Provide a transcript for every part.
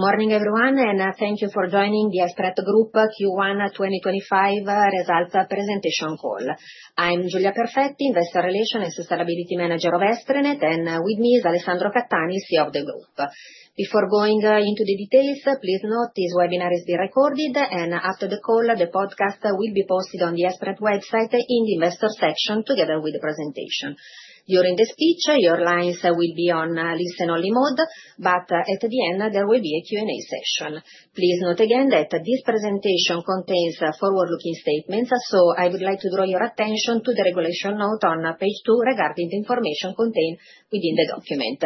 Good morning, everyone, and thank you for joining the Esprinet Group Q1 2025 results presentation call. I'm Giulia Perfetti, Investor Relations and Sustainability Manager of Esprinet, and with me is Alessandro Cattani, CEO of the Group. Before going into the details, please note this webinar is being recorded, and after the call, the podcast will be posted on the Esprinet website in the Investor section together with the presentation. During the speech, your lines will be on listen-only mode, but at the end, there will be a Q&A session. Please note again that this presentation contains forward-looking statements, so I would like to draw your attention to the regulation note on page two regarding the information contained within the document.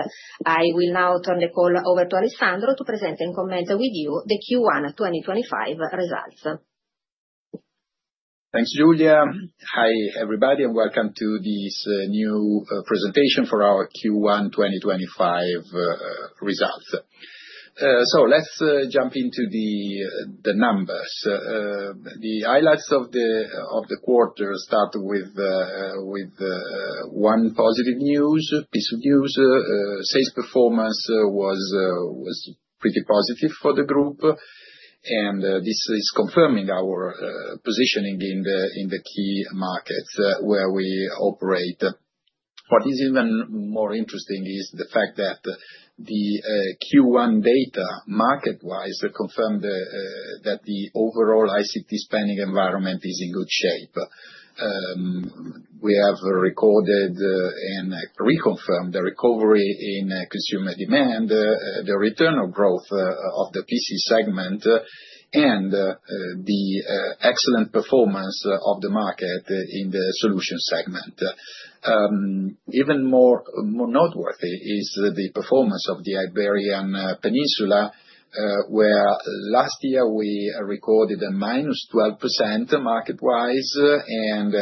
I will now turn the call over to Alessandro to present and comment with you the Q1 2025 results. Thanks, Giulia. Hi, everybody, and welcome to this new presentation for our Q1 2025 results. Let's jump into the numbers. The highlights of the quarter start with one positive piece of news. Sales performance was pretty positive for the Group, and this is confirming our positioning in the key markets where we operate. What is even more interesting is the fact that the Q1 data, market-wise, confirmed that the overall ICT spending environment is in good shape. We have recorded and reconfirmed the recovery in consumer demand, the return of growth of the PC segment, and the excellent performance of the market in the solution segment. Even more noteworthy is the performance of the Iberian Peninsula, where last year we recorded a minus 12% market-wise, and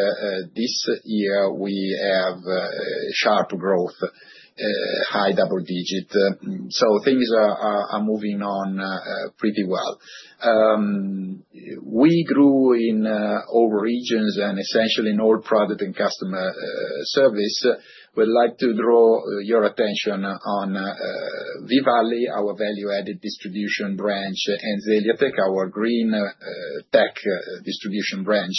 this year we have sharp growth, high double digits. Things are moving on pretty well. We grew in all regions and essentially in all product and customer service. We'd like to draw your attention on V-Valley, our value-added distribution branch, and Zeliatech, our green tech distribution branch,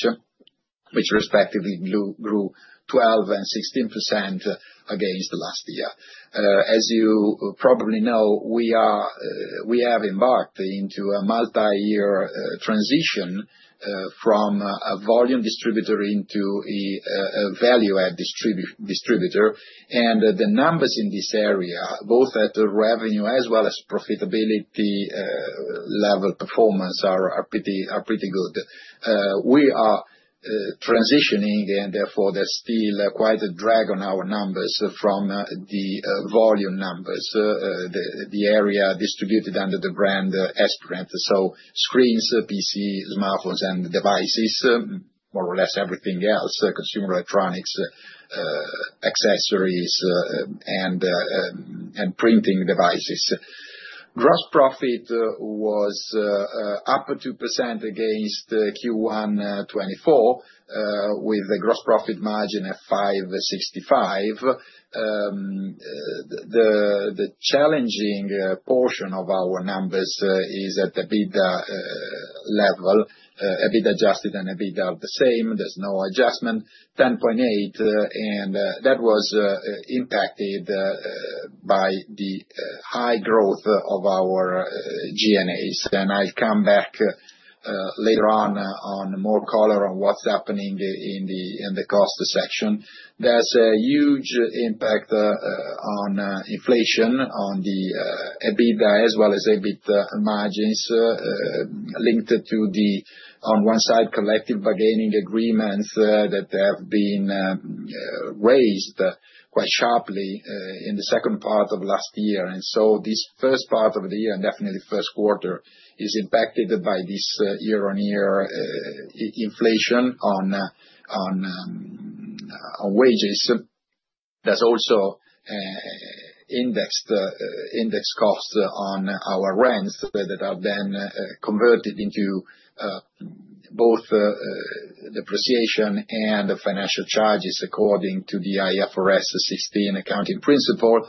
which respectively grew 12% and 16% against last year. As you probably know, we have embarked into a multi-year transition from a volume distributor into a value-add distributor, and the numbers in this area, both at the revenue as well as profitability level performance, are pretty good. We are transitioning, and therefore there's still quite a drag on our numbers from the volume numbers, the area distributed under the brand Esprinet. So screens, PC, smartphones, and devices, more or less everything else, consumer electronics, accessories, and printing devices. Gross profit was up 2% against Q1 2024, with a gross profit margin of 5.65%. The challenging portion of our numbers is at the EBITDA level, a bit adjusted and a bit of the same. There is no adjustment, 10.8%, and that was impacted by the high growth of our G&As. I will come back later on with more color on what is happening in the cost section. There is a huge impact of inflation on the EBITDA as well as EBITDA margins linked to, on one side, collective bargaining agreements that have been raised quite sharply in the second part of last year. This first part of the year, and definitely first quarter, is impacted by this year-on-year inflation on wages. There are also indexed costs on our rents that have been converted into both depreciation and financial charges according to the IFRS 16 accounting principle.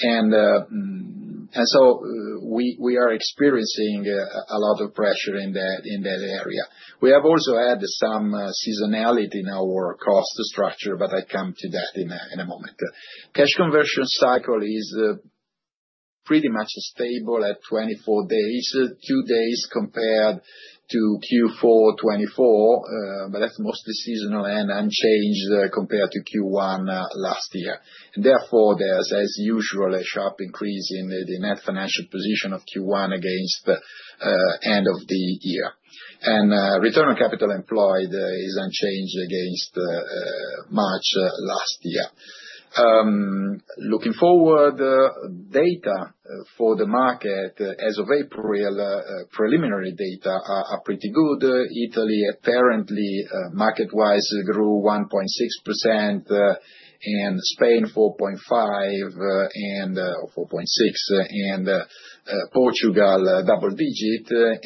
We are experiencing a lot of pressure in that area. We have also had some seasonality in our cost structure, but I'll come to that in a moment. Cash conversion cycle is pretty much stable at 24 days, two days compared to Q4 2024, but that's mostly seasonal and unchanged compared to Q1 last year. Therefore, there's, as usual, a sharp increase in the net financial position of Q1 against the end of the year. Return on capital employed is unchanged against March last year. Looking forward, data for the market as of April, preliminary data are pretty good. Italy apparently market-wise grew 1.6%, and Spain 4.5% and 4.6%, and Portugal double digit.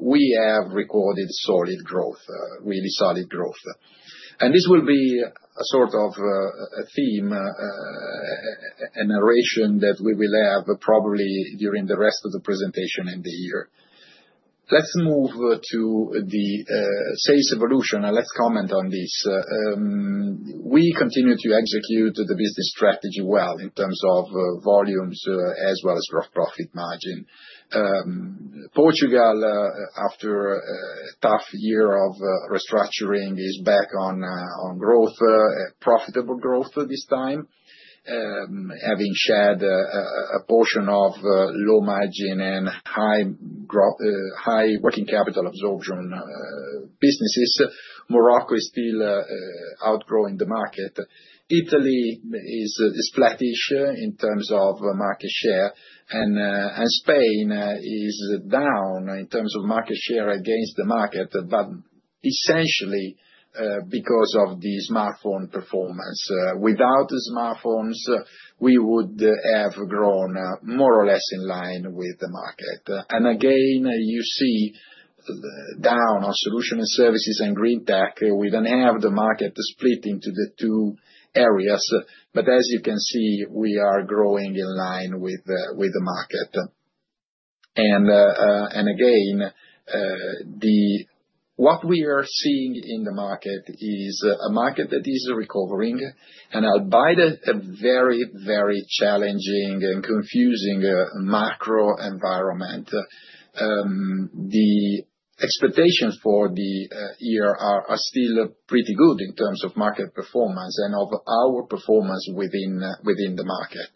We have recorded solid growth, really solid growth. This will be a sort of a theme, a narration that we will have probably during the rest of the presentation in the year. Let's move to the sales evolution, and let's comment on this. We continue to execute the business strategy well in terms of volumes as well as gross profit margin. Portugal, after a tough year of restructuring, is back on growth, profitable growth this time, having shed a portion of low margin and high working capital absorption businesses. Morocco is still outgrowing the market. Italy is flatish in terms of market share, and Spain is down in terms of market share against the market, but essentially because of the smartphone performance. Without smartphones, we would have grown more or less in line with the market. You see down on solution and services and green tech. We do not have the market split into the two areas, but as you can see, we are growing in line with the market. What we are seeing in the market is a market that is recovering, albeit a very, very challenging and confusing macro environment. The expectations for the year are still pretty good in terms of market performance and of our performance within the market.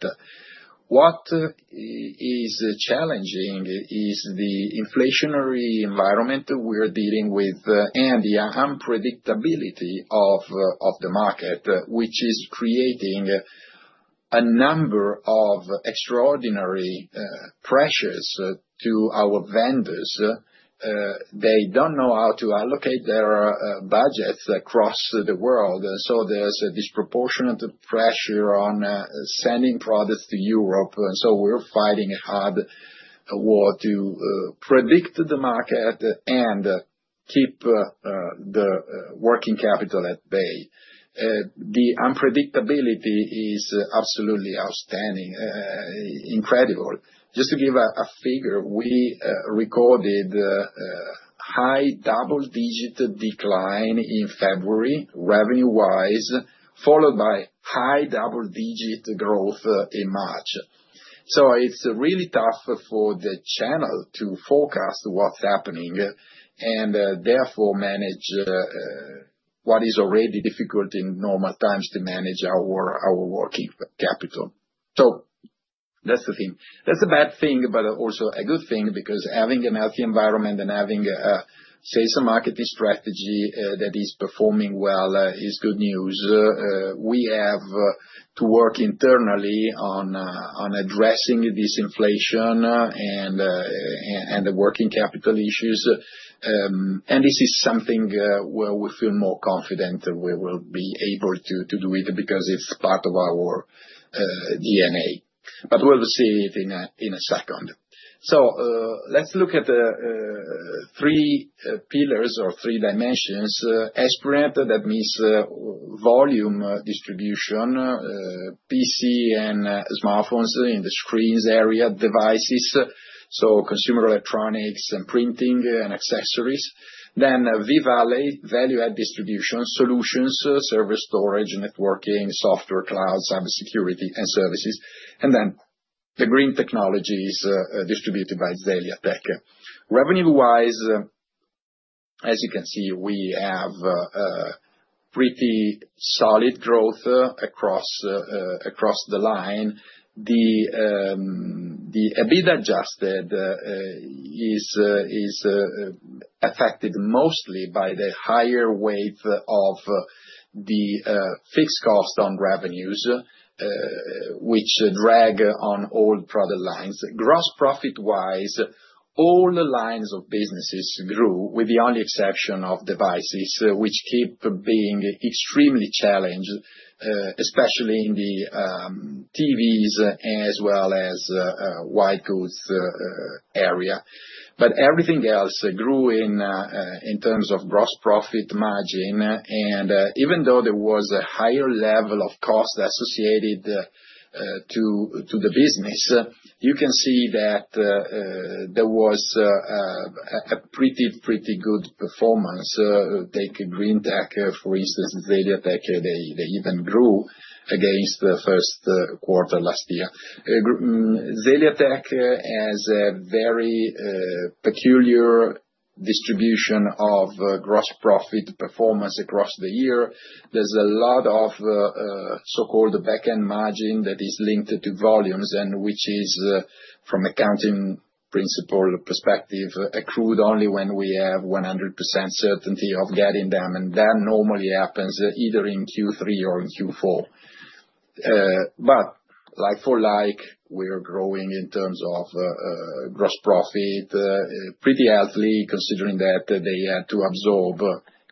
What is challenging is the inflationary environment we are dealing with and the unpredictability of the market, which is creating a number of extraordinary pressures to our vendors. They do not know how to allocate their budgets across the world, and so there is a disproportionate pressure on sending products to Europe. We are fighting a hard war to predict the market and keep the working capital at bay. The unpredictability is absolutely outstanding, incredible. Just to give a figure, we recorded a high double-digit decline in February revenue-wise, followed by high double-digit growth in March. It's really tough for the channel to forecast what's happening and therefore manage what is already difficult in normal times to manage our working capital. That's the thing. That's a bad thing, but also a good thing because having a healthy environment and having a sales and marketing strategy that is performing well is good news. We have to work internally on addressing this inflation and the working capital issues. This is something where we feel more confident we will be able to do it because it's part of our DNA. We'll see it in a second. Let's look at three pillars or three dimensions. Esprinet, that means volume distribution, PC and smartphones in the screens area, devices, so consumer electronics and printing and accessories. Then V-Valley, value-add distribution solutions, server storage, networking, software, cloud, cybersecurity, and services. Then the green technologies distributed by Zeliatech. Revenue-wise, as you can see, we have pretty solid growth across the line. The EBITDA adjusted is affected mostly by the higher weight of the fixed cost on revenues, which drag on all product lines. Gross profit-wise, all the lines of businesses grew with the only exception of devices, which keep being extremely challenged, especially in the TVs as well as white goods area. Everything else grew in terms of gross profit margin. Even though there was a higher level of cost associated to the business, you can see that there was a pretty, pretty good performance. Take green tech, for instance, Zeliatech, they even grew against the first quarter last year. Zeliatech has a very peculiar distribution of gross profit performance across the year. There's a lot of so-called back-end margin that is linked to volumes, which is, from an accounting principle perspective, accrued only when we have 100% certainty of getting them. That normally happens either in Q3 or in Q4. Like for like, we are growing in terms of gross profit pretty healthily, considering that they had to absorb,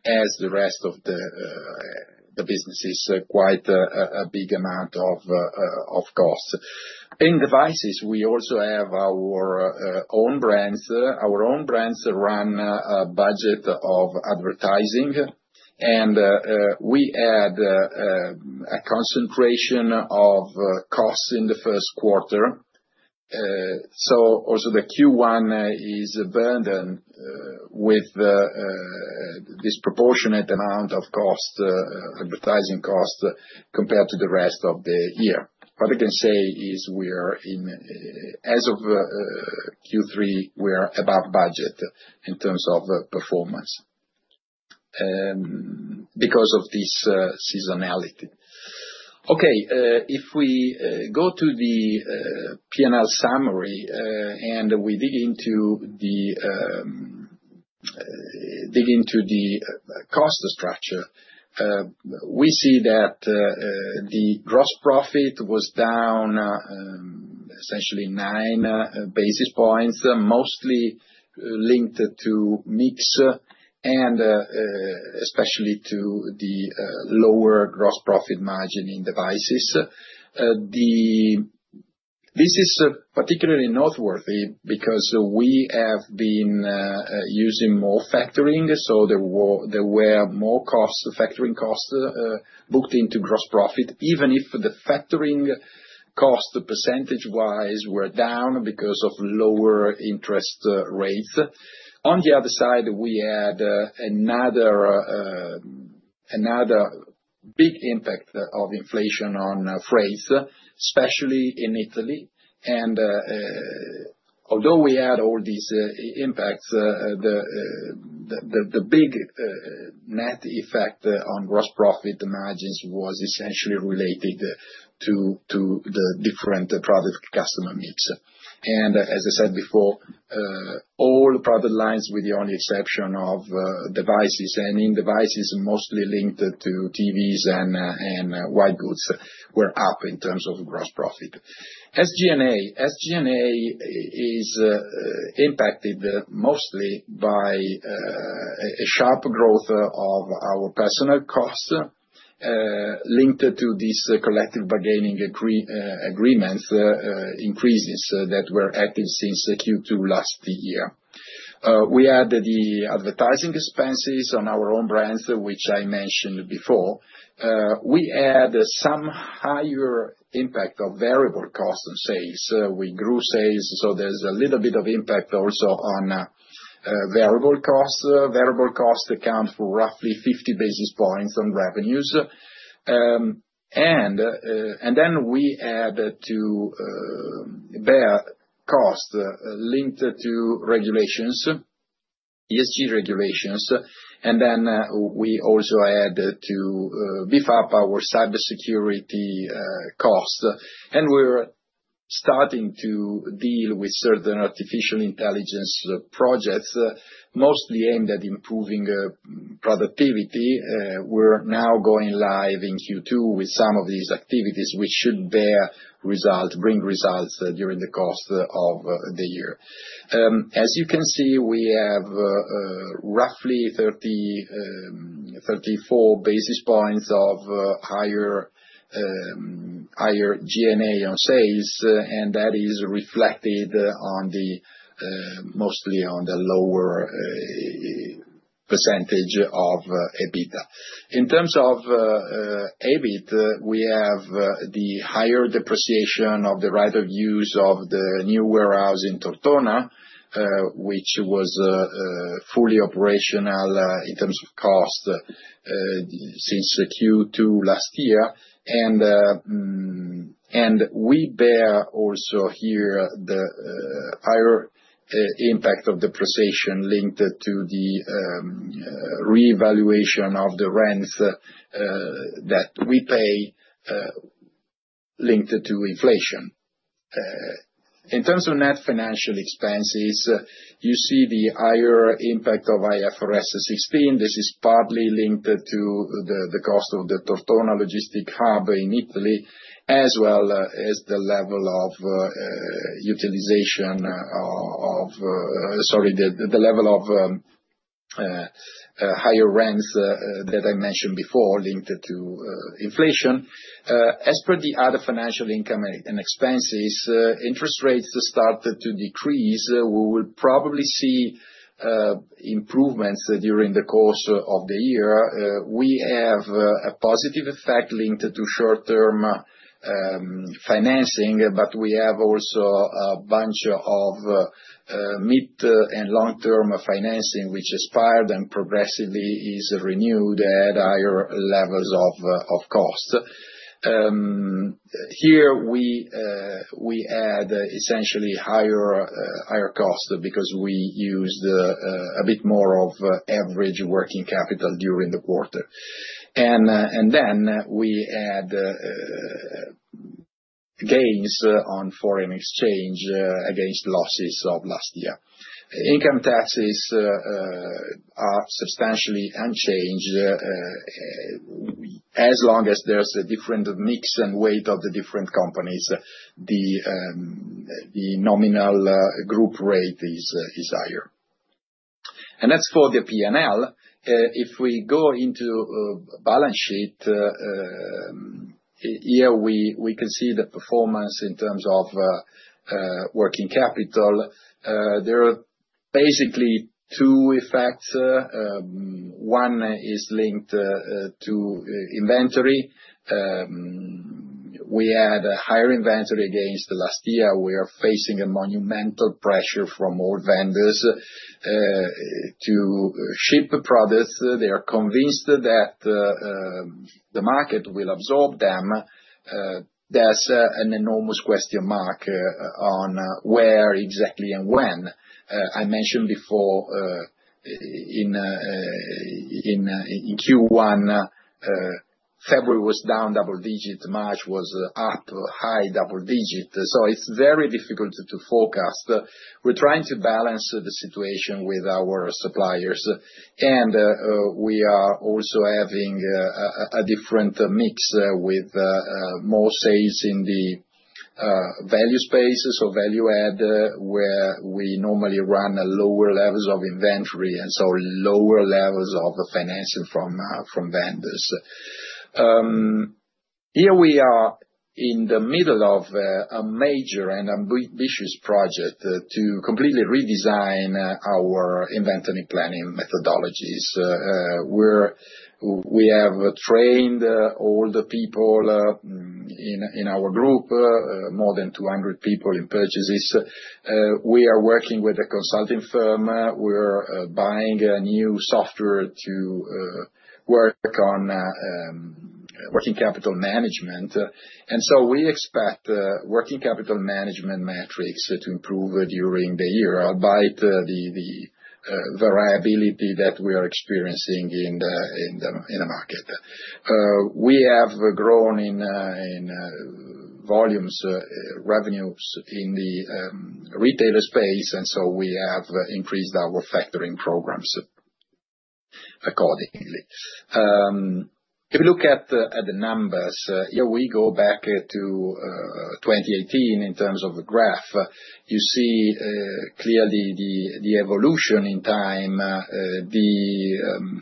as the rest of the businesses, quite a big amount of costs. In devices, we also have our own brands. Our own brands run a budget of advertising, and we had a concentration of costs in the first quarter. Q1 is also burned with a disproportionate amount of advertising cost compared to the rest of the year. What I can say is we are in, as of Q3, we are above budget in terms of performance because of this seasonality. Okay, if we go to the P&L summary and we dig into the cost structure, we see that the gross profit was down essentially nine basis points, mostly linked to mix and especially to the lower gross profit margin in devices. This is particularly noteworthy because we have been using more factoring, so there were more factoring costs booked into gross profit, even if the factoring cost percentage-wise were down because of lower interest rates. On the other side, we had another big impact of inflation on freights, especially in Italy. Although we had all these impacts, the big net effect on gross profit margins was essentially related to the different product customer mix. As I said before, all product lines with the only exception of devices, and in devices, mostly linked to TVs and white goods, were up in terms of gross profit. SG&A. SG&A is impacted mostly by a sharp growth of our personnel costs linked to these collective bargaining agreements increases that were active since Q2 last year. We had the advertising expenses on our own brands, which I mentioned before. We had some higher impact of variable costs on sales. We grew sales, so there's a little bit of impact also on variable costs. Variable costs account for roughly 50 basis points on revenues. We had to bear costs linked to regulations, ESG regulations. We also had to beef up our cybersecurity costs. We're starting to deal with certain artificial intelligence projects, mostly aimed at improving productivity. We're now going live in Q2 with some of these activities, which should bring results during the course of the year. As you can see, we have roughly 34 basis points of higher G&A on sales, and that is reflected mostly on the lower percentage of EBITDA. In terms of EBIT, we have the higher depreciation of the right of use of the new warehouse in Tortona, which was fully operational in terms of cost since Q2 last year. We bear also here the higher impact of depreciation linked to the reevaluation of the rents that we pay linked to inflation. In terms of net financial expenses, you see the higher impact of IFRS 16. This is partly linked to the cost of the Tortona logistic hub in Italy, as well as the level of utilization of, sorry, the level of higher rents that I mentioned before linked to inflation. As per the other financial income and expenses, interest rates started to decrease. We will probably see improvements during the course of the year. We have a positive effect linked to short-term financing, but we have also a bunch of mid and long-term financing, which expired and progressively is renewed at higher levels of cost. Here we had essentially higher costs because we used a bit more of average working capital during the quarter. We had gains on foreign exchange against losses of last year. Income taxes are substantially unchanged. As long as there is a different mix and weight of the different companies, the nominal group rate is higher. That is for the P&L. If we go into balance sheet, here we can see the performance in terms of working capital. There are basically two effects. One is linked to inventory. We had a higher inventory against last year. We are facing a monumental pressure from all vendors to ship products. They are convinced that the market will absorb them. There is an enormous question mark on where exactly and when. I mentioned before in Q1, February was down double digit, March was up high double digit. It is very difficult to forecast. We are trying to balance the situation with our suppliers. We are also having a different mix with more sales in the value spaces or value-add, where we normally run lower levels of inventory and so lower levels of financing from vendors. We are in the middle of a major and ambitious project to completely redesign our inventory planning methodologies. We have trained all the people in our group, more than 200 people in purchases. We are working with a consulting firm. We are buying new software to work on working capital management. We expect working capital management metrics to improve during the year, albeit the variability that we are experiencing in the market. We have grown in volumes, revenues in the retailer space, and we have increased our factoring programs accordingly. If you look at the numbers, here we go back to 2018 in terms of a graph. You see clearly the evolution in time. The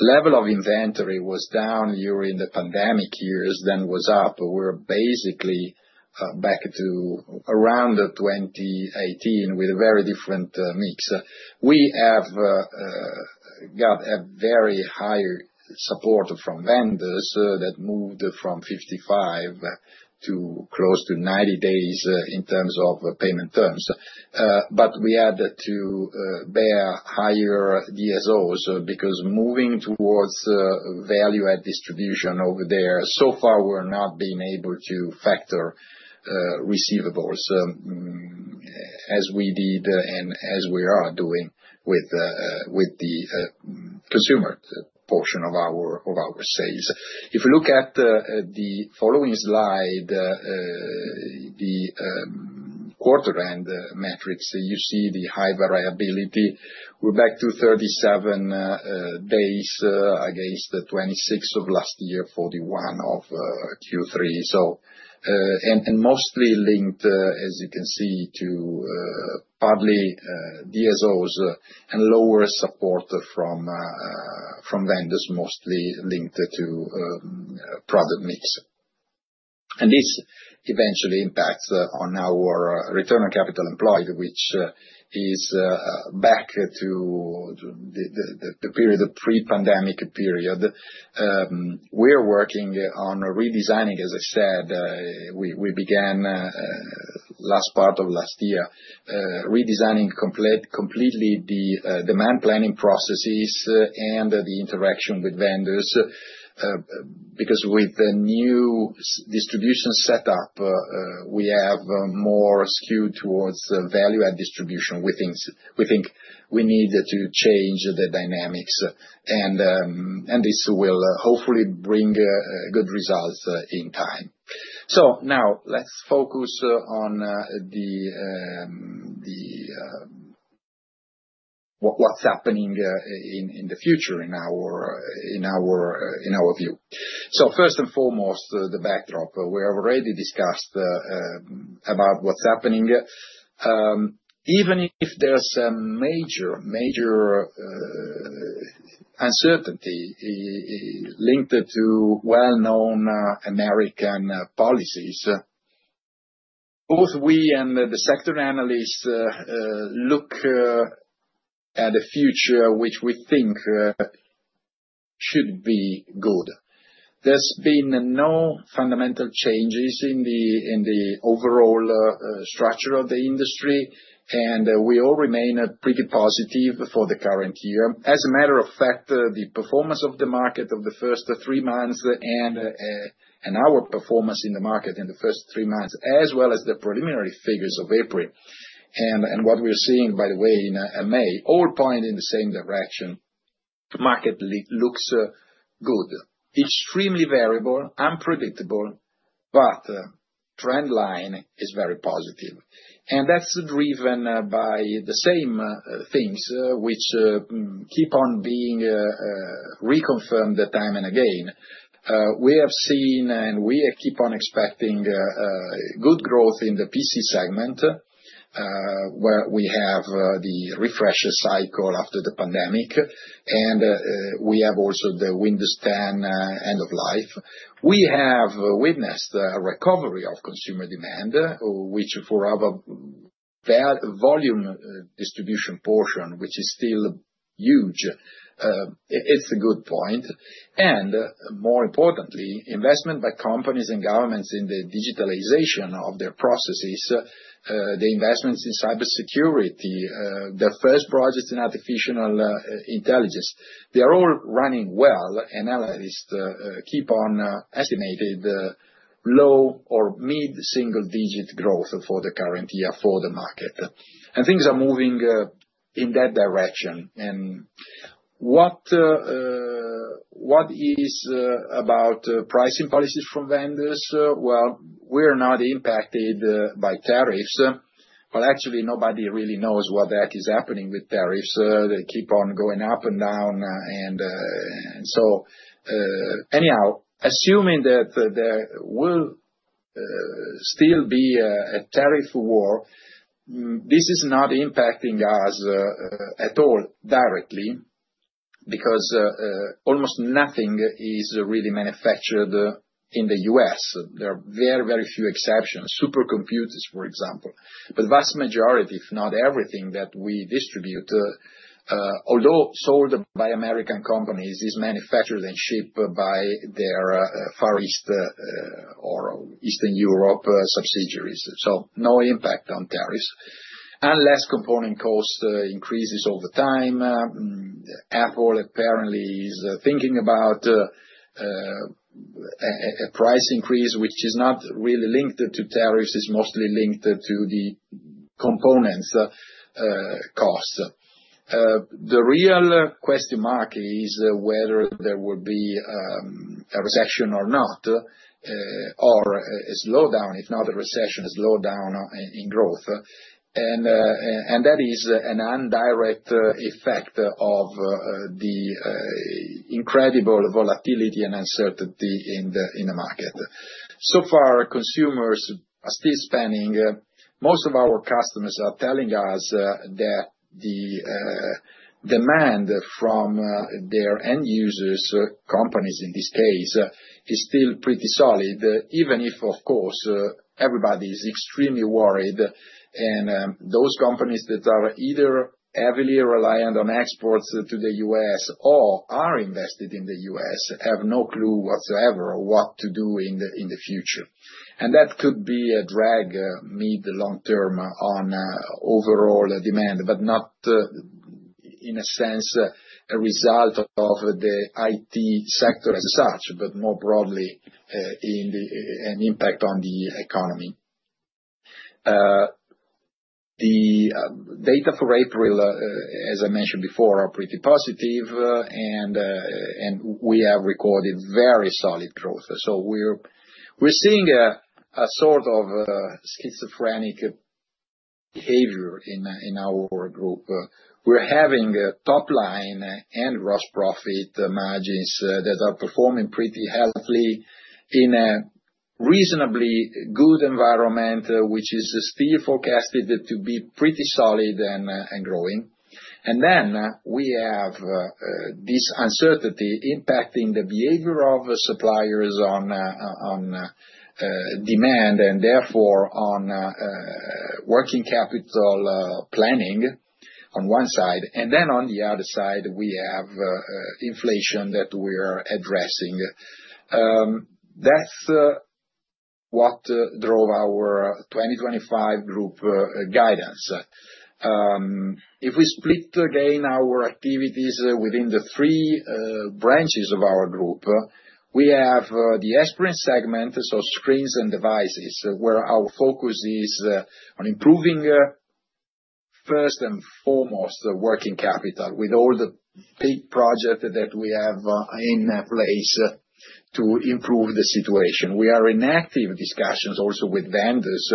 level of inventory was down during the pandemic years, then was up. We are basically back to around 2018 with a very different mix. We have got very high support from vendors that moved from 55 to close to 90 days in terms of payment terms. We had to bear higher DSOs because moving towards value-add distribution over there, so far we're not being able to factor receivables as we did and as we are doing with the consumer portion of our sales. If you look at the following slide, the quarter-end metrics, you see the high variability. We're back to 37 days against 26 of last year, 41 of Q3. Mostly linked, as you can see, to partly DSOs and lower support from vendors mostly linked to product mix. This eventually impacts on our return on capital employed, which is back to the pre-pandemic period. We're working on redesigning, as I said, we began last part of last year, redesigning completely the demand planning processes and the interaction with vendors. With the new distribution setup, we have more skew towards value-add distribution. We think we need to change the dynamics, and this will hopefully bring good results in time. Now let's focus on what's happening in the future in our view. First and foremost, the backdrop. We already discussed about what's happening. Even if there's some major uncertainty linked to well-known American policies, both we and the sector analysts look at a future which we think should be good. There's been no fundamental changes in the overall structure of the industry, and we all remain pretty positive for the current year. As a matter of fact, the performance of the market of the first three months and our performance in the market in the first three months, as well as the preliminary figures of April and what we're seeing, by the way, in May, all point in the same direction. The market looks good, extremely variable, unpredictable, but trend line is very positive. That is driven by the same things which keep on being reconfirmed time and again. We have seen and we keep on expecting good growth in the PC segment, where we have the refresher cycle after the pandemic, and we have also the Windows 10 end of life. We have witnessed a recovery of consumer demand, which for our volume distribution portion, which is still huge, it's a good point. More importantly, investment by companies and governments in the digitalization of their processes, the investments in cybersecurity, the first projects in artificial intelligence, they are all running well, and analysts keep on estimating low or mid single-digit growth for the current year for the market. Things are moving in that direction. What is about pricing policies from vendors? We're not impacted by tariffs, but actually nobody really knows what is happening with tariffs. They keep on going up and down. Anyhow, assuming that there will still be a tariff war, this is not impacting us at all directly because almost nothing is really manufactured in the U.S. There are very, very few exceptions, supercomputers, for example. The vast majority, if not everything that we distribute, although sold by American companies, is manufactured and shipped by their Far East or Eastern Europe subsidiaries. No impact on tariffs. Unless component cost increases over time, Apple apparently is thinking about a price increase, which is not really linked to tariffs. It's mostly linked to the components costs. The real question mark is whether there will be a recession or not, or a slowdown, if not a recession, a slowdown in growth. That is an indirect effect of the incredible volatility and uncertainty in the market. So far, consumers are still spending. Most of our customers are telling us that the demand from their end users, companies in this case, is still pretty solid, even if, of course, everybody is extremely worried. Those companies that are either heavily reliant on exports to the U.S. or are invested in the U.S. have no clue whatsoever what to do in the future. That could be a drag mid-long term on overall demand, but not in a sense a result of the IT sector as such, but more broadly an impact on the economy. The data for April, as I mentioned before, are pretty positive, and we have recorded very solid growth. We are seeing a sort of schizophrenic behavior in our group. We're having top-line and gross profit margins that are performing pretty healthily in a reasonably good environment, which is still forecasted to be pretty solid and growing. We have this uncertainty impacting the behavior of suppliers on demand and therefore on working capital planning on one side. On the other side, we have inflation that we are addressing. That's what drove our 2025 group guidance. If we split again our activities within the three branches of our group, we have the Esprinet segment, so screens and devices, where our focus is on improving first and foremost working capital with all the big projects that we have in place to improve the situation. We are in active discussions also with vendors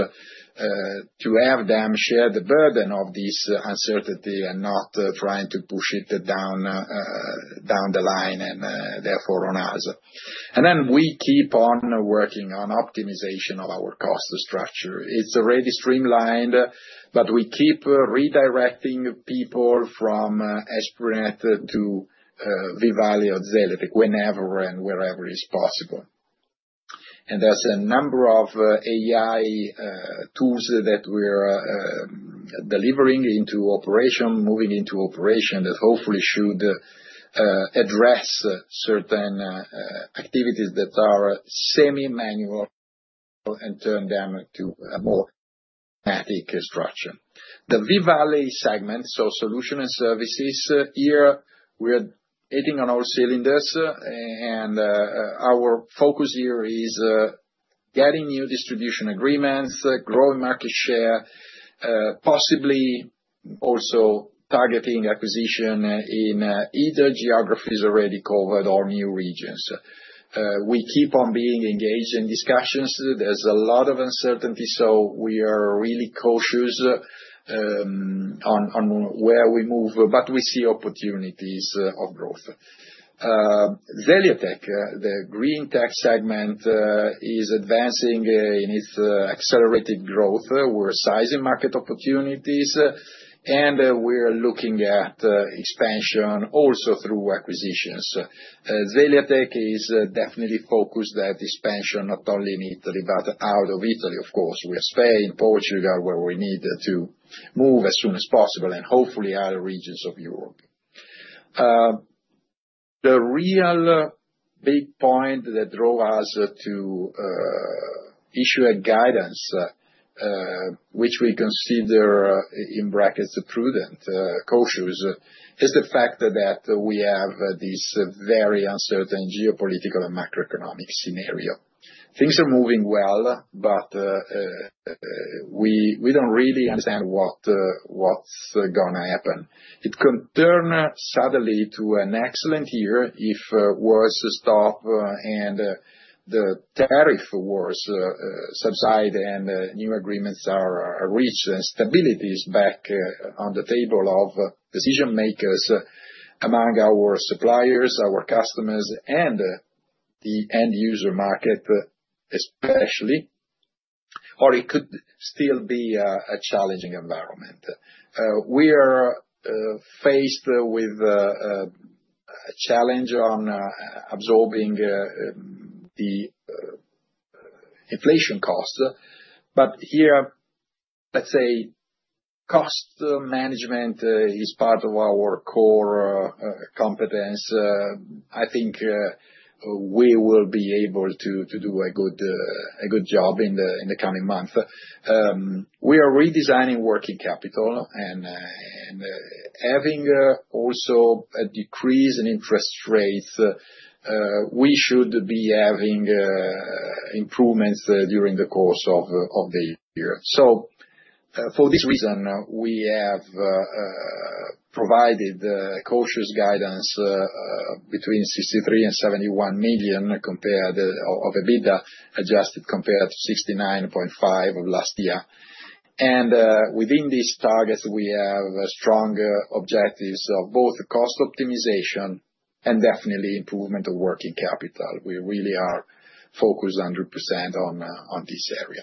to have them share the burden of this uncertainty and not trying to push it down the line and therefore on us. We keep on working on optimization of our cost structure. It's already streamlined, but we keep redirecting people from Esprinet to V-Valley or Zeliatech whenever and wherever is possible. There are a number of AI tools that we're delivering into operation, moving into operation that hopefully should address certain activities that are semi-manual and turn them to a more static structure. The V-Valley segment, so solution and services, here we're hitting on all cylinders, and our focus here is getting new distribution agreements, growing market share, possibly also targeting acquisition in either geographies already covered or new regions. We keep on being engaged in discussions. There is a lot of uncertainty, so we are really cautious on where we move, but we see opportunities of growth. Zeliatech, the green tech segment, is advancing in its accelerated growth. We're sizing market opportunities, and we're looking at expansion also through acquisitions. Zeliatech is definitely focused at expansion not only in Italy, but out of Italy, of course. We have Spain, Portugal, where we need to move as soon as possible, and hopefully other regions of Europe. The real big point that drove us to issue a guidance, which we consider in brackets prudent, cautious, is the fact that we have this very uncertain geopolitical and macroeconomic scenario. Things are moving well, but we do not really understand what is going to happen. It could turn suddenly to an excellent year if wars stop and the tariff wars subside and new agreements are reached and stability is back on the table of decision makers among our suppliers, our customers, and the end user market especially, or it could still be a challenging environment. We are faced with a challenge on absorbing the inflation costs. But here, let's say cost management is part of our core competence. I think we will be able to do a good job in the coming month. We are redesigning working capital and having also a decrease in interest rates. We should be having improvements during the course of the year. For this reason, we have provided cautious guidance between 63 million and 71 million compared to EBITDA adjusted compared to 69.5 million of last year. Within these targets, we have strong objectives of both cost optimization and definitely improvement of working capital. We really are focused 100% on this area.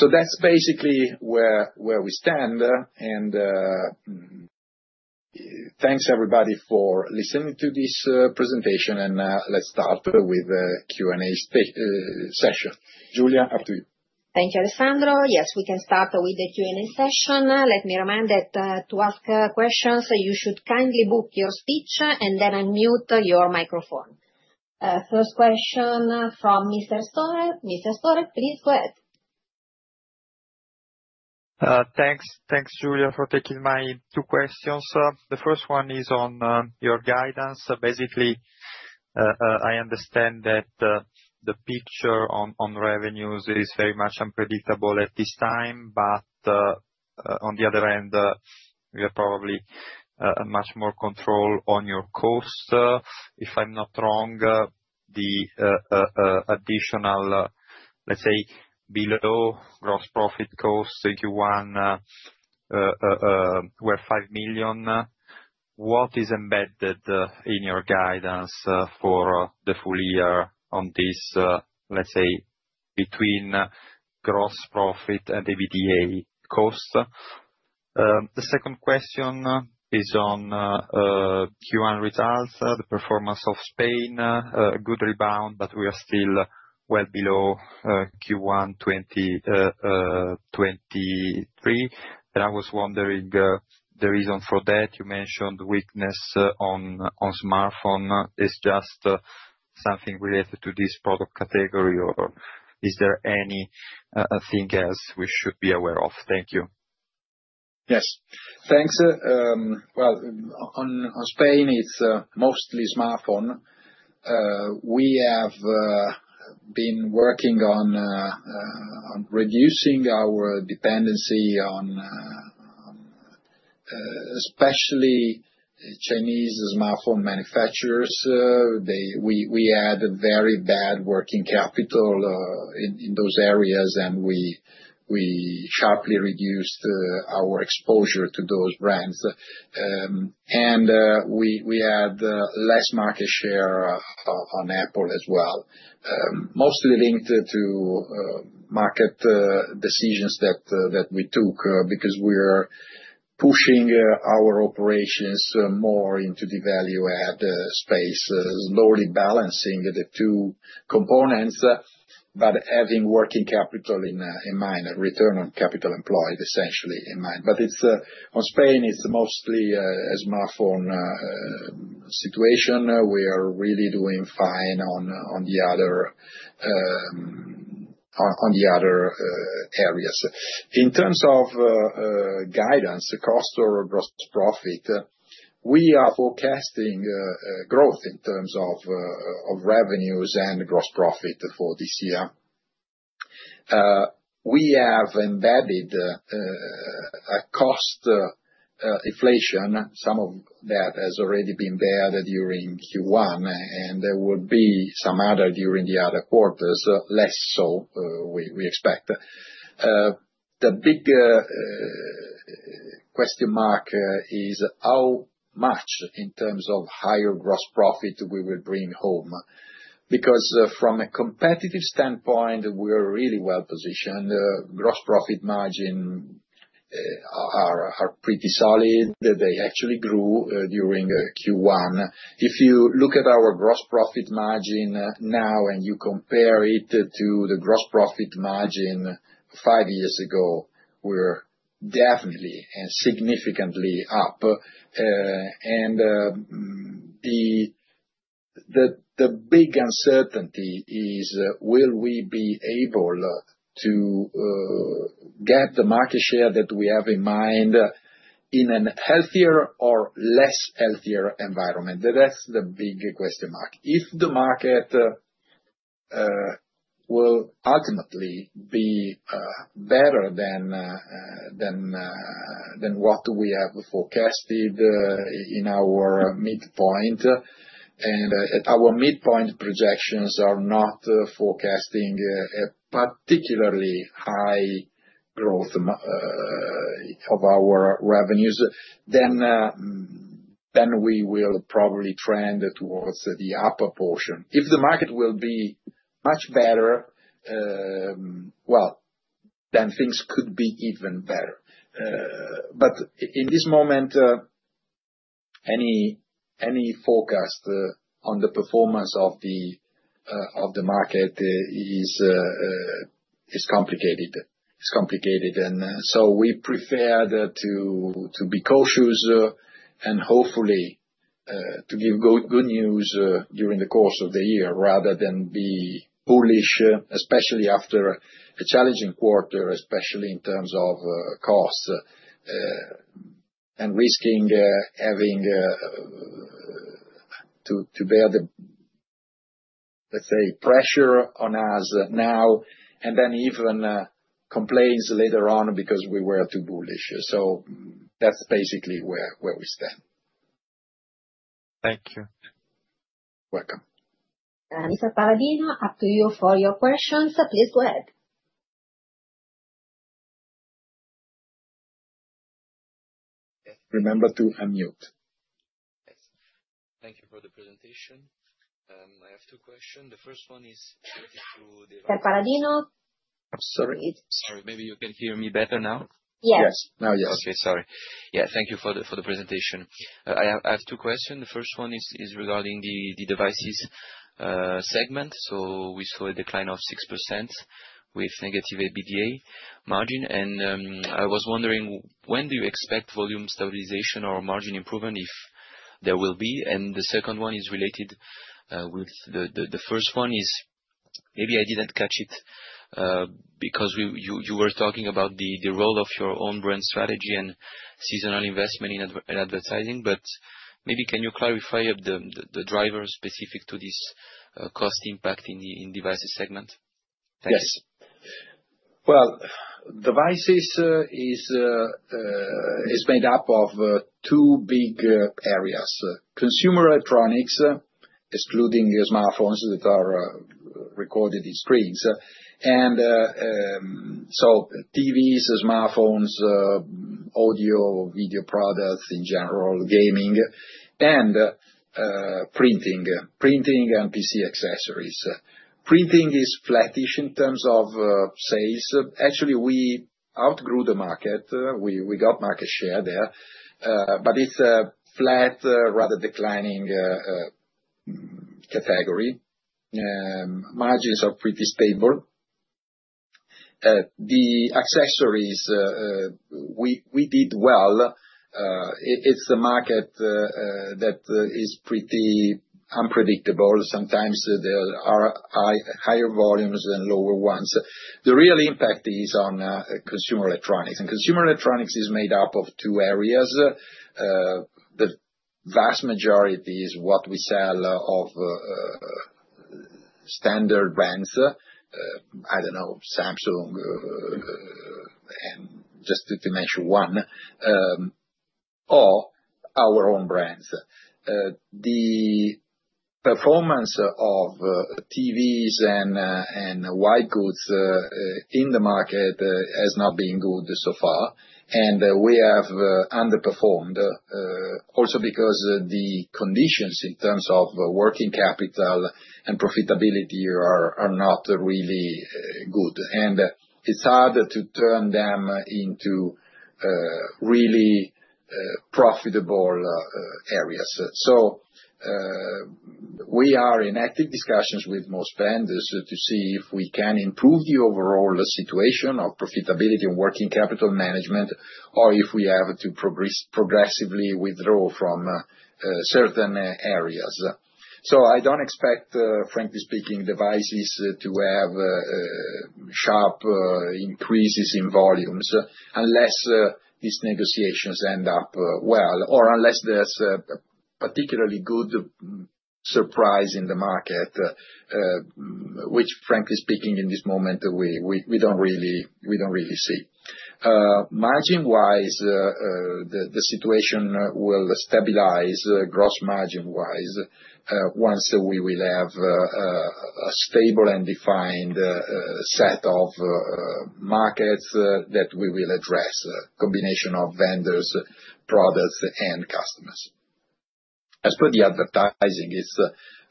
That is basically where we stand. Thanks, everybody, for listening to this presentation, and let's start with the Q&A session. Giulia, up to you. Thank you, Alessandro. Yes, we can start with the Q&A session. Let me remind that to ask questions, you should kindly book your speech and then unmute your microphone. First question from Mr. Store. Mr. Store, please go ahead. Thanks, Giulia, for taking my two questions. The first one is on your guidance. Basically, I understand that the picture on revenues is very much unpredictable at this time, but on the other end, we are probably much more control on your cost. If I'm not wrong, the additional, let's say, below gross profit cost, thank you, one, were 5 million. What is embedded in your guidance for the full year on this, let's say, between gross profit and EBITDA cost? The second question is on Q1 results, the performance of Spain, good rebound, but we are still well below Q1 2023. And I was wondering the reason for that. You mentioned weakness on smartphone. Is just something related to this product category, or is there anything else we should be aware of? Thank you. Yes. Thanks. On Spain, it's mostly smartphone. We have been working on reducing our dependency on especially Chinese smartphone manufacturers. We had very bad working capital in those areas, and we sharply reduced our exposure to those brands. We had less market share on Apple as well, mostly linked to market decisions that we took because we are pushing our operations more into the value-add space, slowly balancing the two components, but having working capital in mind, return on capital employed essentially in mind. On Spain, it's mostly a smartphone situation. We are really doing fine on the other areas. In terms of guidance, cost or gross profit, we are forecasting growth in terms of revenues and gross profit for this year. We have embedded a cost inflation. Some of that has already been there during Q1, and there will be some other during the other quarters, less so we expect. The big question mark is how much in terms of higher gross profit we will bring home. Because from a competitive standpoint, we are really well positioned. Gross profit margins are pretty solid. They actually grew during Q1. If you look at our gross profit margin now and you compare it to the gross profit margin five years ago, we are definitely and significantly up. The big uncertainty is, will we be able to get the market share that we have in mind in a healthier or less healthier environment? That is the big question mark. If the market will ultimately be better than what we have forecasted in our midpoint, and our midpoint projections are not forecasting a particularly high growth of our revenues, then we will probably trend towards the upper portion. If the market will be much better, things could be even better. In this moment, any forecast on the performance of the market is complicated. It is complicated. We prefer to be cautious and hopefully to give good news during the course of the year rather than be bullish, especially after a challenging quarter, especially in terms of costs and risking having to bear the, let's say, pressure on us now and then even complaints later on because we were too bullish. That is basically where we stand. Thank you. Welcome. Mr. Paladino, up to you for your questions. Please go ahead. Remember to unmute. Thank you for the presentation. I have two questions. The first one is related to the— Mr. Paladino. Sorry. Sorry. Maybe you can hear me better now? Yes. Yes. Now, yes. Okay. Sorry. Yeah. Thank you for the presentation. I have two questions. The first one is regarding the devices segment. We saw a decline of 6% with negative EBITDA margin. I was wondering, when do you expect volume stabilization or margin improvement, if there will be? The second one is related with the first one. Maybe I did not catch it because you were talking about the role of your own brand strategy and seasonal investment in advertising, but maybe can you clarify the drivers specific to this cost impact in the devices segment? Thank you. Yes. Devices is made up of two big areas: consumer electronics, excluding smartphones that are recorded in screens, and so TVs, smartphones, audio or video products in general, gaming, and printing, printing and PC accessories. Printing is flattish in terms of sales. Actually, we outgrew the market. We got market share there, but it is a flat, rather declining category. Margins are pretty stable. The accessories, we did well. It is a market that is pretty unpredictable. Sometimes there are higher volumes and lower ones. The real impact is on consumer electronics. Consumer electronics is made up of two areas. The vast majority is what we sell of standard brands. I do not know, Samsung just to mention one, or our own brands. The performance of TVs and white goods in the market has not been good so far. We have underperformed also because the conditions in terms of working capital and profitability are not really good. It is hard to turn them into really profitable areas. We are in active discussions with most vendors to see if we can improve the overall situation of profitability and working capital management, or if we have to progressively withdraw from certain areas. I do not expect, frankly speaking, devices to have sharp increases in volumes unless these negotiations end up well or unless there is a particularly good surprise in the market, which, frankly speaking, in this moment, we do not really see. Margin-wise, the situation will stabilize gross margin-wise once we have a stable and defined set of markets that we will address, a combination of vendors, products, and customers. As for the advertising, it is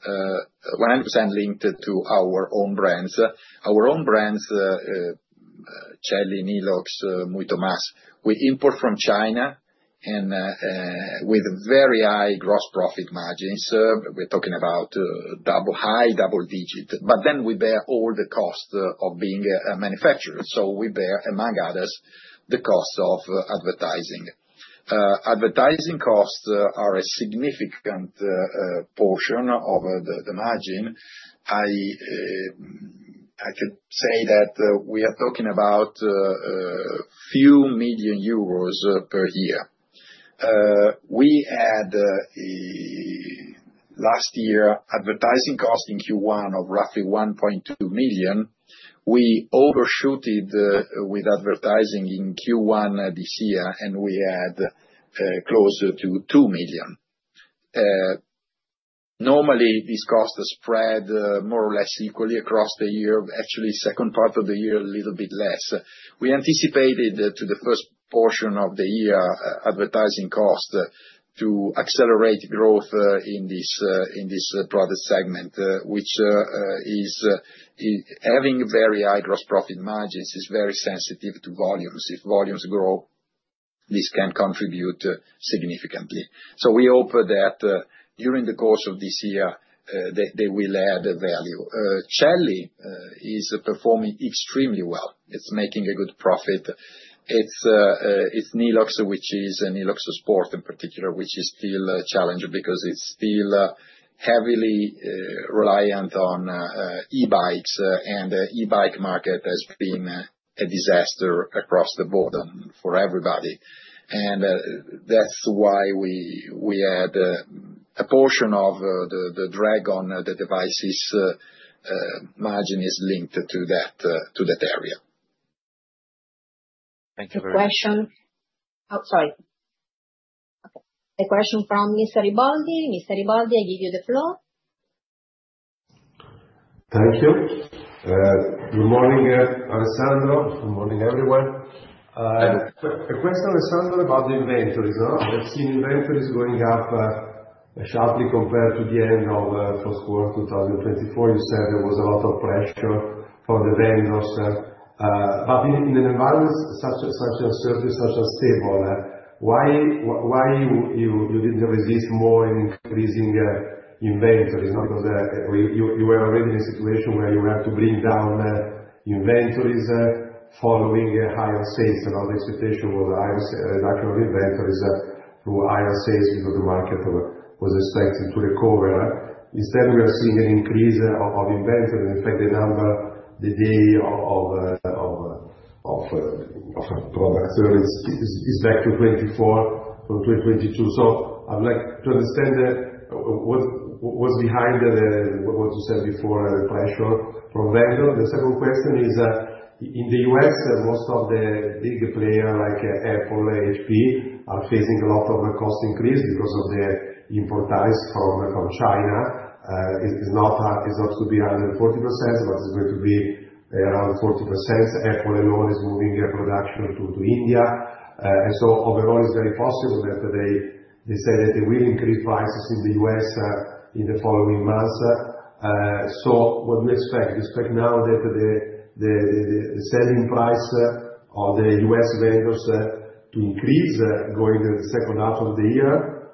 100% linked to our own brands. Our own brands, Celly, Nilox, Muitomas, we import from China and with very high gross profit margins. We're talking about high double digits. But then we bear all the costs of being a manufacturer. So we bear, among others, the cost of advertising. Advertising costs are a significant portion of the margin. I could say that we are talking about a few million euros per year. We had last year advertising cost in Q1 of roughly 1.2 million. We overshooted with advertising in Q1 this year, and we had closer to 2 million. Normally, these costs spread more or less equally across the year, actually second part of the year a little bit less. We anticipated to the first portion of the year advertising cost to accelerate growth in this product segment, which is having very high gross profit margins is very sensitive to volumes. If volumes grow, this can contribute significantly. We hope that during the course of this year, they will add value. Celly is performing extremely well. It's making a good profit. It's Nilox, which is Nilox Sport in particular, which is still a challenge because it's still heavily reliant on e-bikes, and the e-bike market has been a disaster across the board for everybody. That is why a portion of the drag on the devices margin is linked to that area. Thank you very much. Question? Oh, sorry. Okay. A question from Mr. Ibalde. Mr. Ibalde, I give you the floor. Thank you. Good morning, Alessandro. Good morning, everyone. A question, Alessandro, about the inventories. I've seen inventories going up sharply compared to the end of first quarter 2024. You said there was a lot of pressure from the vendors. In an environment such as such a stable, why didn't you resist more increasing inventories? You were already in a situation where you had to bring down inventories following higher sales. The expectation was higher reduction of inventories through higher sales because the market was expected to recover. Instead, we are seeing an increase of inventories. In fact, the number, the day of products is back to 24 from 2022. I would like to understand what's behind what you said before, the pressure from vendors. The second question is, in the U.S., most of the big players like Apple, HP are facing a lot of cost increase because of the import price from China. It's not to be 140%, but it's going to be around 40%. Apple alone is moving production to India. It is very possible that they say that they will increase prices in the U.S. in the following months. What do you expect? Do you expect now that the selling price of the U.S. vendors will increase going into the second half of the year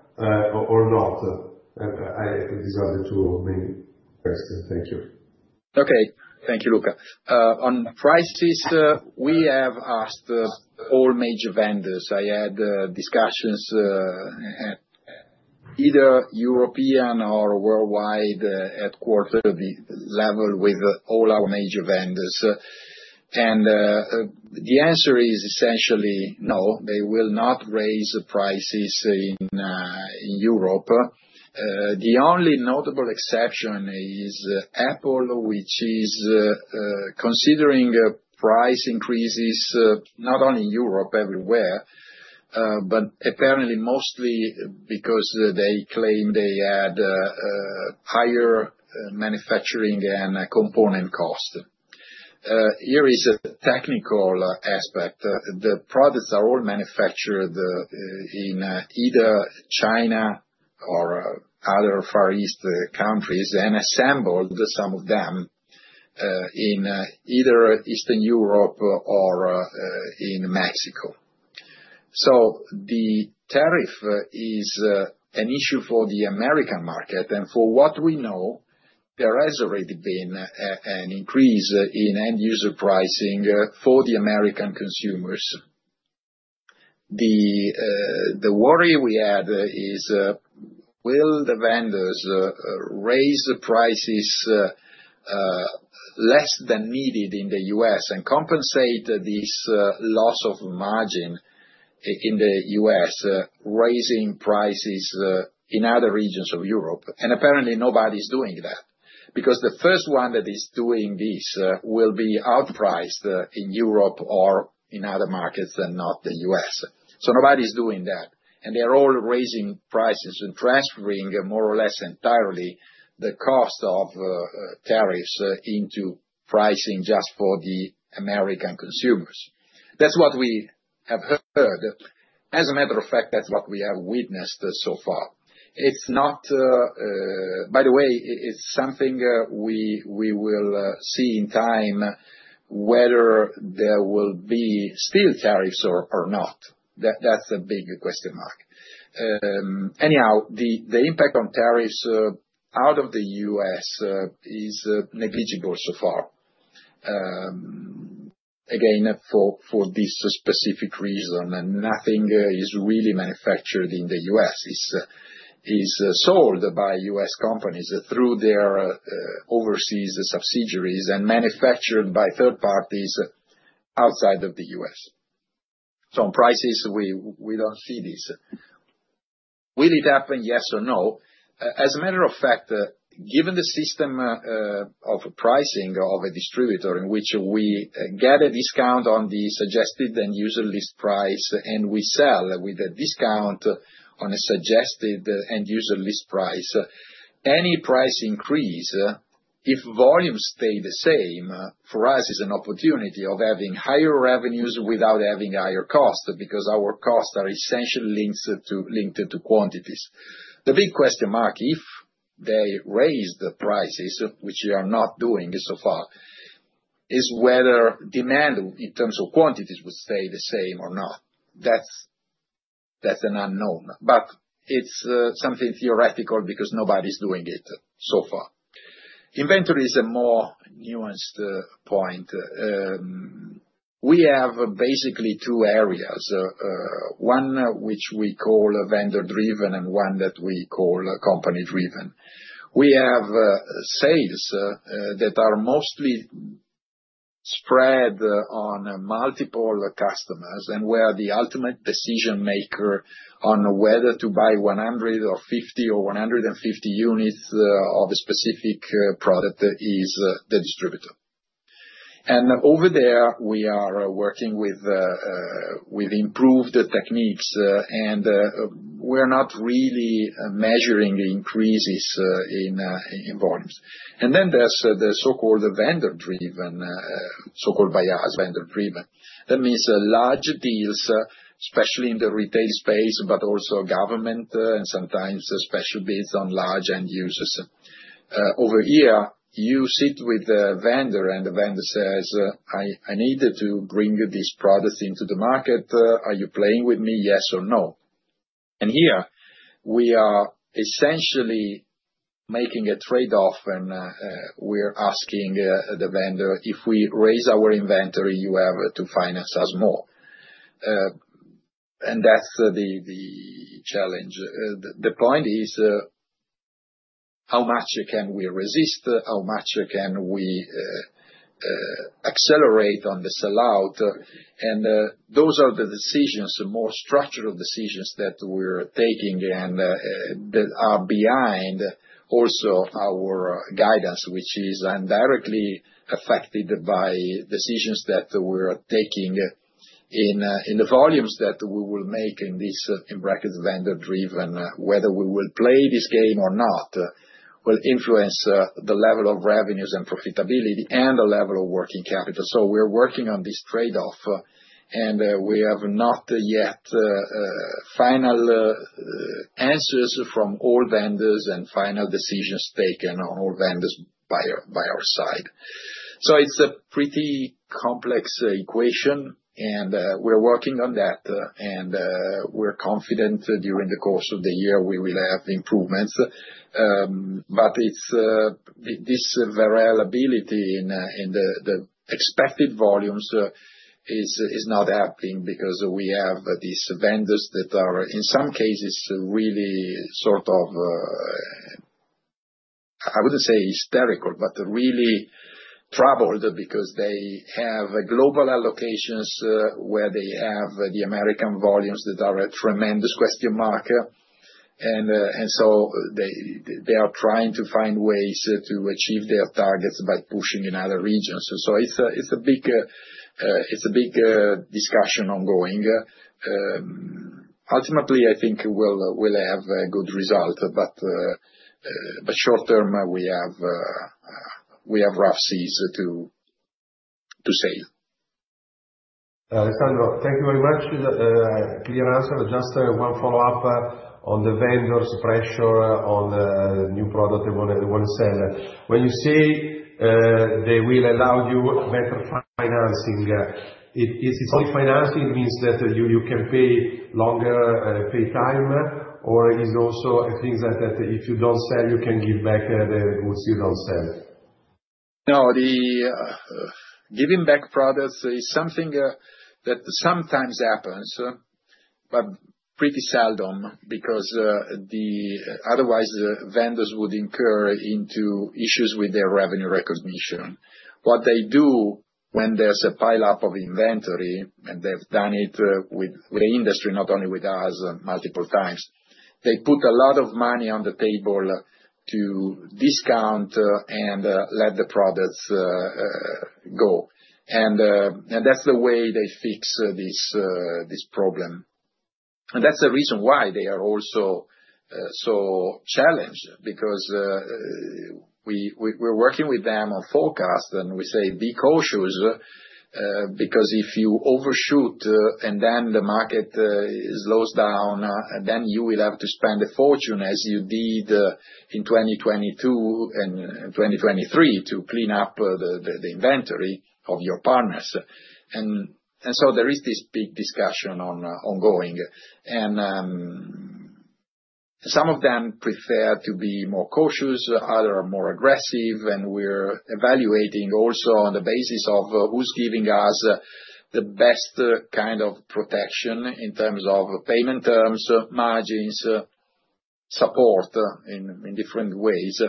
or not? These are the two main questions. Thank you. Thank you, Luca. On prices, we have asked all major vendors. I had discussions at either European or worldwide at quarter level with all our major vendors. The answer is essentially no. They will not raise prices in Europe. The only notable exception is Apple, which is considering price increases not only in Europe, everywhere, but apparently mostly because they claim they had higher manufacturing and component costs. Here is a technical aspect. The products are all manufactured in either China or other Far East countries and assembled, some of them, in either Eastern Europe or in Mexico. The tariff is an issue for the American market. For what we know, there has already been an increase in end-user pricing for the American consumers. The worry we had is, will the vendors raise prices less than needed in the U.S. and compensate this loss of margin in the U.S., raising prices in other regions of Europe? Apparently, nobody's doing that because the first one that is doing this will be outpriced in Europe or in other markets and not the U.S. Nobody's doing that. They're all raising prices and transferring more or less entirely the cost of tariffs into pricing just for the American consumers. That's what we have heard. As a matter of fact, that's what we have witnessed so far. By the way, it's something we will see in time whether there will be still tariffs or not. That's a big question mark. Anyhow, the impact on tariffs out of the U.S. is negligible so far, again, for this specific reason. Nothing is really manufactured in the U.S. It's sold by U.S. companies through their overseas subsidiaries and manufactured by third parties outside of the U.S. So on prices, we don't see this. Will it happen? Yes or no? As a matter of fact, given the system of pricing of a distributor in which we get a discount on the suggested end-user list price and we sell with a discount on a suggested end-user list price, any price increase, if volumes stay the same, for us is an opportunity of having higher revenues without having higher costs because our costs are essentially linked to quantities. The big question mark, if they raise the prices, which they are not doing so far, is whether demand in terms of quantities would stay the same or not. That is an unknown. It is something theoretical because nobody is doing it so far. Inventory is a more nuanced point. We have basically two areas, one which we call vendor-driven and one that we call company-driven. We have sales that are mostly spread on multiple customers and where the ultimate decision maker on whether to buy 150 or 150 units of a specific product is the distributor. Over there, we are working with improved techniques, and we're not really measuring the increases in volumes. Then there's the so-called vendor-driven, so-called by us, vendor-driven. That means large deals, especially in the retail space, but also government and sometimes special bids on large end users. Over here, you sit with the vendor, and the vendor says, "I need to bring this product into the market. Are you playing with me? Yes or no?" Here, we are essentially making a trade-off, and we're asking the vendor, "If we raise our inventory, you have to finance us more." That's the challenge. The point is, how much can we resist? How much can we accelerate on the sellout? Those are the decisions, more structural decisions that we are taking and that are behind also our guidance, which is indirectly affected by decisions that we are taking in the volumes that we will make in this vendor-driven, whether we will play this game or not, will influence the level of revenues and profitability and the level of working capital. We are working on this trade-off, and we have not yet final answers from all vendors and final decisions taken on all vendors by our side. It is a pretty complex equation, and we are working on that. We are confident during the course of the year, we will have improvements. But this variability in the expected volumes is not happening because we have these vendors that are, in some cases, really sort of, I would not say hysterical, but really troubled because they have global allocations where they have the American volumes that are a tremendous question mark. They are trying to find ways to achieve their targets by pushing in other regions. It is a big discussion ongoing. Ultimately, I think we will have a good result, but short term, we have rough seas to sail. Alessandro, thank you very much. Clear answer. Just one follow-up on the vendors' pressure on new products they want to sell. When you say they will allow you better financing, is it only financing? It means that you can pay longer pay time, or is it also a thing that if you do not sell, you can give back the goods you do not sell? No, giving back products is something that sometimes happens, but pretty seldom because otherwise, vendors would incur into issues with their revenue recognition. What they do when there is a pile-up of inventory, and they have done it with the industry, not only with us, multiple times, they put a lot of money on the table to discount and let the products go. That is the way they fix this problem. That is the reason why they are also so challenged because we are working with them on forecasts, and we say be cautious because if you overshoot and then the market slows down, then you will have to spend a fortune as you did in 2022 and 2023 to clean up the inventory of your partners. There is this big discussion ongoing. Some of them prefer to be more cautious, others are more aggressive. We're evaluating also on the basis of who's giving us the best kind of protection in terms of payment terms, margins, support in different ways.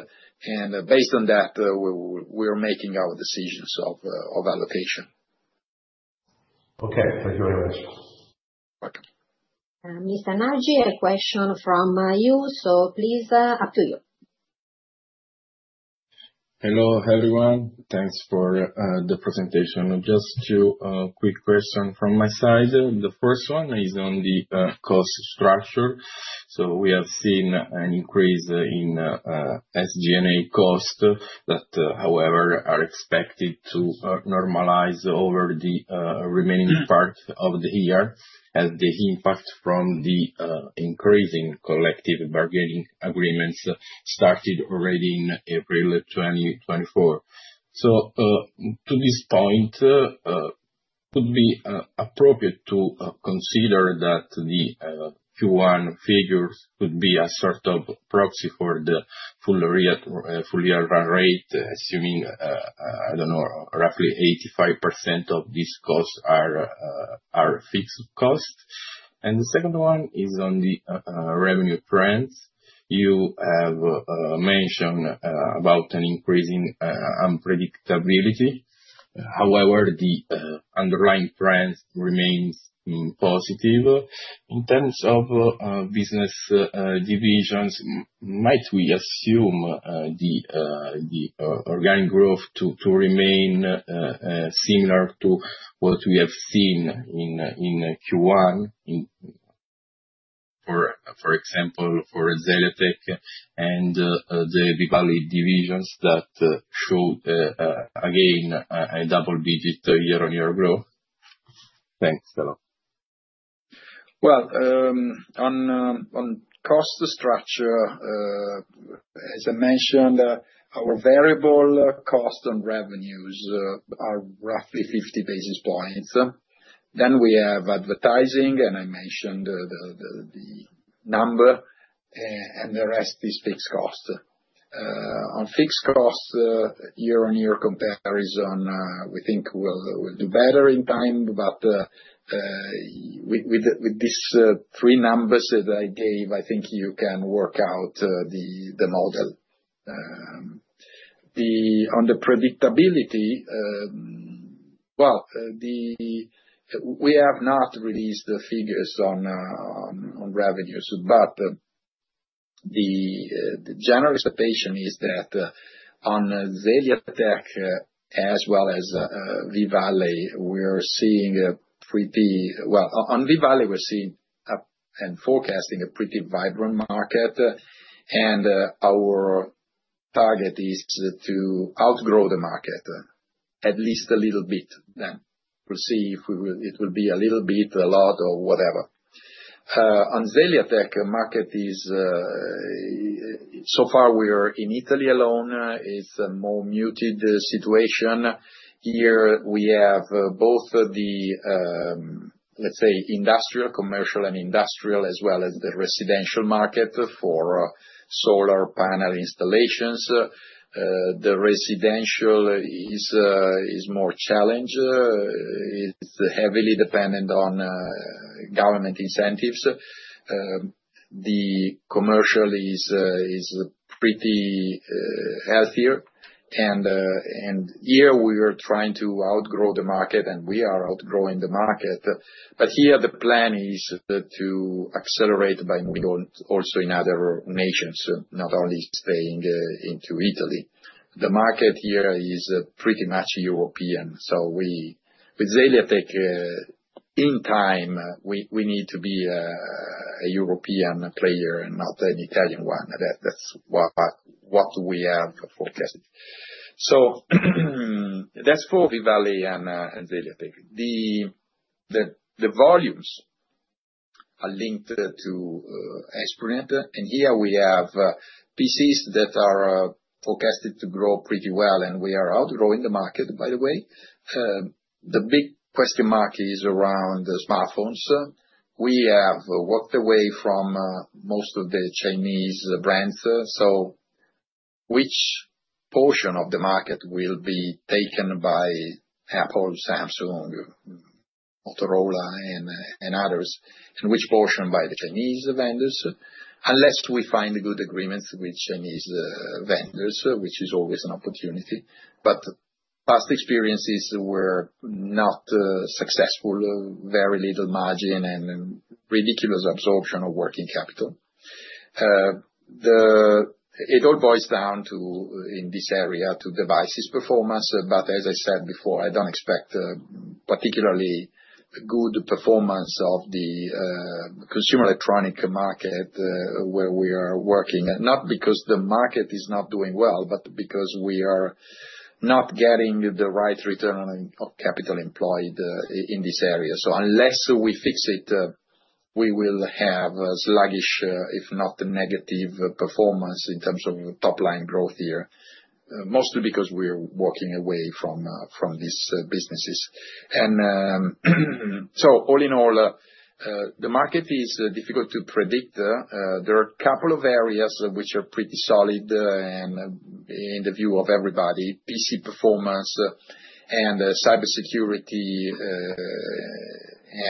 Based on that, we're making our decisions of allocation. Okay. Thank you very much. You're welcome. Mr. Nagyi, a question from you. Please, up to you. Hello everyone. Thanks for the presentation. Just two quick questions from my side. The first one is on the cost structure. We have seen an increase in SG&A costs that, however, are expected to normalize over the remaining part of the year as the impact from the increase in collective bargaining agreements started already in April 2024. To this point, it would be appropriate to consider that the Q1 figures could be a sort of proxy for the full year rate, assuming, I don't know, roughly 85% of these costs are fixed costs. The second one is on the revenue trends. You have mentioned about an increase in unpredictability. However, the underlying trend remains positive. In terms of business divisions, might we assume the organic growth to remain similar to what we have seen in Q1, for example, for Zeliatech and the V-Valley divisions that showed, again, a double-digit year-on-year growth? Thanks. Hello. On cost structure, as I mentioned, our variable cost on revenues are roughly 50 basis points. Then we have advertising, and I mentioned the number, and the rest is fixed cost. On fixed costs, year-on-year comparison, we think we will do better in time, but with these three numbers that I gave, I think you can work out the model. On the predictability, we have not released the figures on revenues, but the general expectation is that on Zeliatech as well as V-Valley, we are seeing a pretty—on V-Valley, we are seeing and forecasting a pretty vibrant market, and our target is to outgrow the market at least a little bit. We will see if it will be a little bit, a lot, or whatever. On Zeliatech, the market is—so far, we are in Italy alone. It is a more muted situation. Here we have both the, let's say, industrial, commercial, and industrial, as well as the residential market for solar panel installations. The residential is more challenged. It is heavily dependent on government incentives. The commercial is pretty healthier. Here, we are trying to outgrow the market, and we are outgrowing the market. Here, the plan is to accelerate by moving also in other nations, not only staying in Italy. The market here is pretty much European. With Zeliatech, in time, we need to be a European player and not an Italian one. That is what we have forecasted. That is for V-Valley and Zeliatech. The volumes are linked to Esprinet. Here we have PCs that are forecasted to grow pretty well, and we are outgrowing the market, by the way. The big question mark is around smartphones. We have walked away from most of the Chinese brands. Which portion of the market will be taken by Apple, Samsung, Motorola, and others? Which portion by the Chinese vendors? Unless we find good agreements with Chinese vendors, which is always an opportunity. Past experiences were not successful, very little margin, and ridiculous absorption of working capital. It all boils down in this area to devices performance. As I said before, I do not expect particularly good performance of the consumer electronics market where we are working, not because the market is not doing well, but because we are not getting the right return on capital employed in this area. Unless we fix it, we will have sluggish, if not negative, performance in terms of top-line growth here, mostly because we are walking away from these businesses. All in all, the market is difficult to predict. There are a couple of areas which are pretty solid in the view of everybody: PC performance and cybersecurity,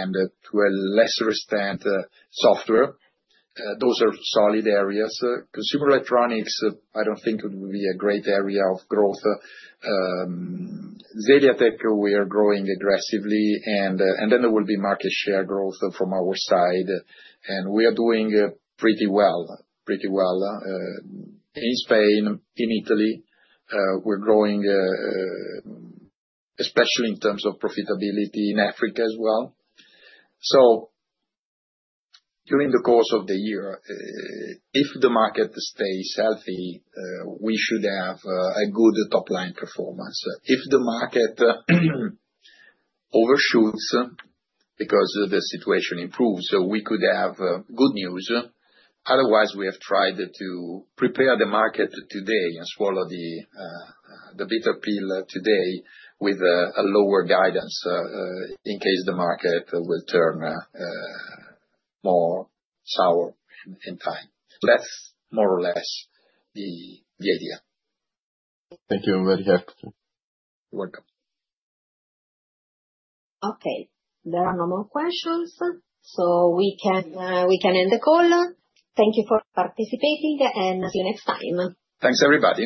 and to a lesser extent, software. Those are solid areas. Consumer electronics, I do not think it would be a great area of growth. Zeliatech, we are growing aggressively, and then there will be market share growth from our side. We are doing pretty well, pretty well in Spain, in Italy. We're growing, especially in terms of profitability, in Africa as well. During the course of the year, if the market stays healthy, we should have a good top-line performance. If the market overshoots because the situation improves, we could have good news. Otherwise, we have tried to prepare the market today and swallow the bitter pill today with a lower guidance in case the market will turn more sour in time. That's more or less the idea. Thank you, very helpful. You're welcome. Okay. There are no more questions, so we can end the call. Thank you for participating, and see you next time. Thanks, everybody.